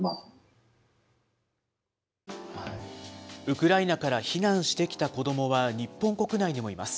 ウクライナから避難してきた子どもは日本国内にもいます。